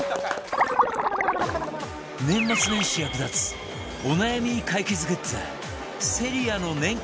年末年始役立つお悩み解決グッズセリアの年間